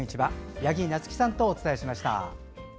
八木菜月さんとお伝えしました。